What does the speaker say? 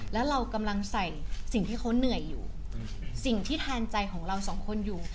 แล้วเรากำลังใส่สิ่งที่เขาเหนื่อยอยู่สิ่งที่แทนใจของเราสองคนอยู่